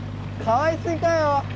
かわいすぎかよ！